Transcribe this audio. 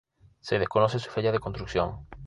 Se desconoce su fecha de construcción.